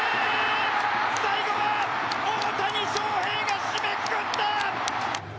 最後は大谷翔平が締めくくった！